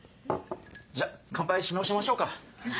じゃ乾杯し直しましょうか。